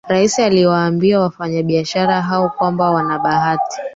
Rais aliwaambia wafanyabiashara hao kwamba wana bahati